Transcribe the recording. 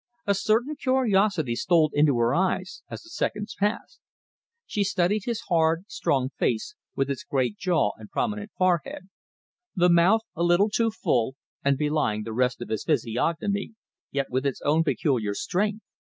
A certain curiosity stole into her eyes as the seconds passed. She studied his hard, strong face, with its great jaw and prominent forehead; the mouth, a little too full, and belying the rest of his physiognomy, yet with its own peculiar strength.